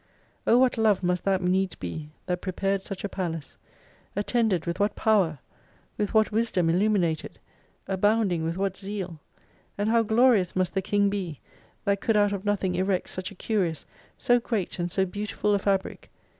O what love must that needs be, that prepared such a palace ! At tended with what power ! With what wisdom illumi nated ! Abounding with what zeal ! And how glorious must the King be, that could out of nothing erect such a curious, so great, and so beautiful a fabric